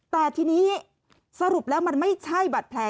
แต่ทีนี้สรุปแล้วมันไม่ใช่บัตรแผล